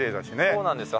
そうなんですよ。